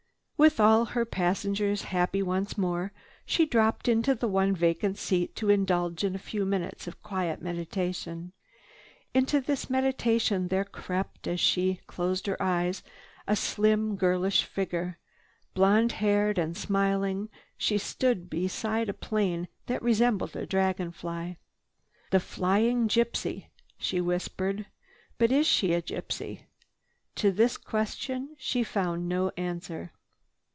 With all her passengers happy once more, she dropped into the one vacant seat to indulge in a few moments of quiet meditation. Into this meditation there crept, as she closed her eyes, a slim girlish figure. Blonde haired and smiling, she stood beside a plane that resembled a dragon fly. "The flying gypsy," she whispered. "But is she a gypsy?" To this question she found no answer.